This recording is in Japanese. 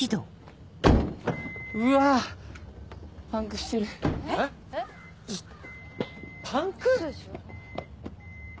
パンク？ウソでしょ？